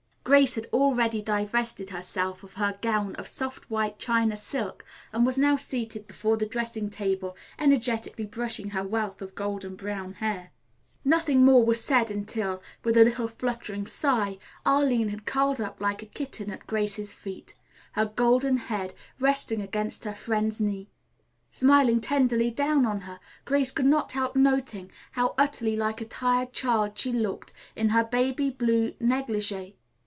Grace had already divested herself of her gown of soft white China silk and was now seated before the dressing table energetically brushing her wealth of golden brown hair. Nothing more was said until, with a little fluttering sigh, Arline had curled up like a kitten at Grace's feet, her golden head resting against her friend's knee. Smiling tenderly down on her, Grace could not help noting how utterly like a tired child she looked in her baby blue negligee.